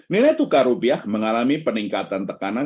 nilai tukar rupiah mengalami peningkatan tekanan